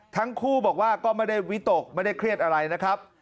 ทั้งคู่บอกว่าก็ไม่ได้วิตกไม่ได้เครียดอะไรนะครับ